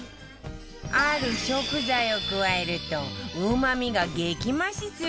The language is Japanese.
ある食材を加えるとうまみが激増しするんだって